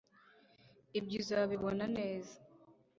ibyo uzabibona neza